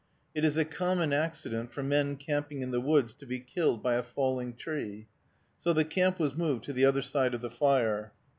It is a common accident for men camping in the woods to be killed by a falling tree. So the camp was moved to the other side of the fire.